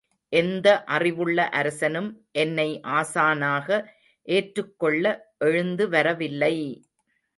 எந்த அறிவுள்ள அரசனும், என்னை ஆசானாக ஏற்றுக்கொள்ள எழுந்து வரவில்லை!